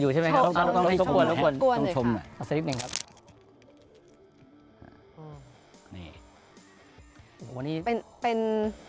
ต้องชมหน่อย